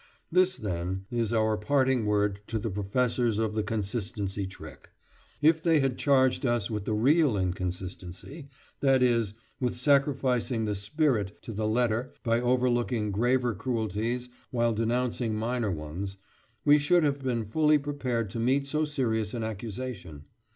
This, then, is our parting word to the professors of the Consistency Trick. If they had charged us with the real inconsistency—that is, with sacrificing the spirit to the letter by overlooking graver cruelties while denouncing minor ones—we should have been fully prepared to meet so serious an accusation.